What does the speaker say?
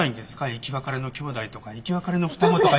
生き別れの兄弟とか生き別れの双子とか。